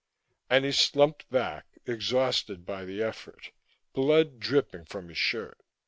And he slumped back, exhausted by the effort, blood dripping from his shirt.